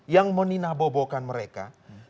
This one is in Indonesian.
yang meninabobokan mereka